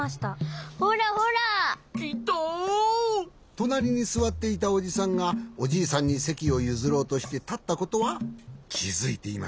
となりにすわっていたおじさんがおじいさんにせきをゆずろうとしてたったことはきづいていましたか？